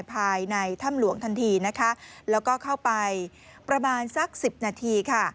ภายในถ้ำหลวงทันทีนะคะแล้วก็เข้าไปประมาณสักสิบนาทีค่ะ